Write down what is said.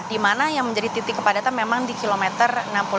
di mana yang menjadi titik kepadatan memang di kilometer enam puluh delapan